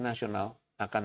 nasional akan tercapai